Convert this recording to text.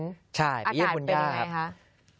อากาศเป็นยังไงครับพี่เยี่ยมวุญญาใช่อากาศเป็นยังไงครับ